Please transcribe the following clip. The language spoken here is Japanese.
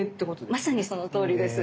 まさにそのとおりです。